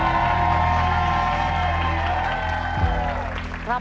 มคมครับ